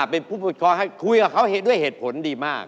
เป็นผู้ปกครองให้คุยกับเขาด้วยเหตุผลดีมาก